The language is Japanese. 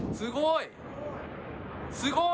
すごい！